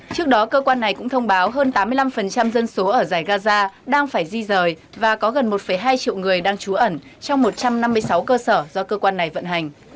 trước đó cơ quan này cũng thông báo hơn tám mươi năm dân số ở giải gaza đang phải di rời và có gần một hai triệu người đang trú ẩn trong một trăm năm mươi sáu cơ sở do cơ quan này vận hành